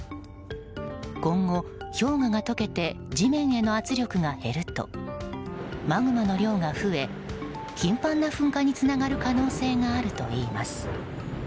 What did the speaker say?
今後、氷河が解けて地面への圧力が減るとマグマの量が増え、頻繁な噴火につながる可能性があるといいます。